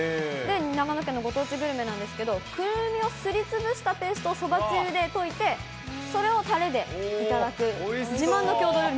長野県のご当地グルメなんですけど、くるみをすりつぶしたペーストをそばつゆで溶いて、それをたれで頂く、自慢の郷土料理。